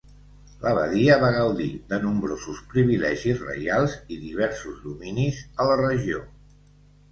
L'abadia va gaudir de nombrosos privilegis reials i diversos dominis a la regió.